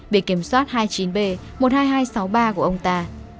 bề kiểm soát hai mươi chín b một mươi hai nghìn hai trăm sáu mươi ba của ông ta